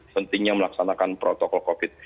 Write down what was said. pentingnya melaksanakan protokol covid